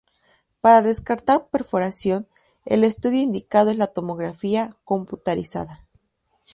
Para descartar perforación, el estudio indicado es la tomografía computarizada.